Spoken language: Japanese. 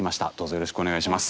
よろしくお願いします。